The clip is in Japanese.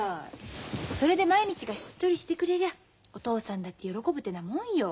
それで毎日がしっとりしてくれりゃお父さんだって喜ぶってなもんよ。